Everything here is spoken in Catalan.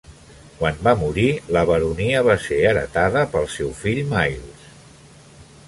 Quan va morir, la baronia va ser heretada pel seu fill Myles.